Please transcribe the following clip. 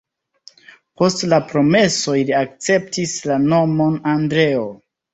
Post la promesoj li akceptis la nomon Andreo.